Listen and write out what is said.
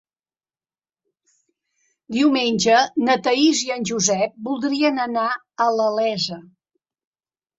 Diumenge na Thaís i en Josep voldrien anar a la Iessa.